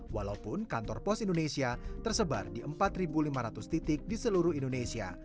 walaupun kantor pos indonesia tersebar di empat lima ratus titik di seluruh indonesia